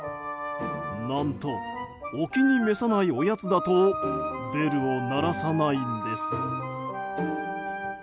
何と、お気に召さないおやつだとベルを鳴らさないんです。